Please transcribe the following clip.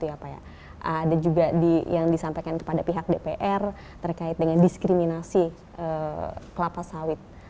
ada juga yang disampaikan kepada pihak dpr terkait dengan diskriminasi kelapa sawit